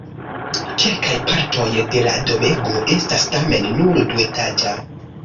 Kelkaj partoj de la domego estas tamen nur duetaĝa.